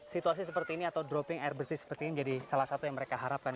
situasi seperti ini atau dropping air bersih seperti ini menjadi salah satu yang mereka harapkan